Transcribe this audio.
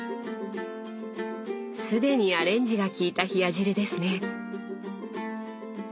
既にアレンジがきいた冷や汁ですね。